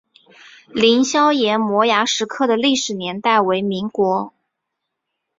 凌霄岩摩崖石刻的历史年代为民国。